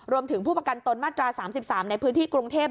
ผู้ประกันตนมาตรา๓๓ในพื้นที่กรุงเทพ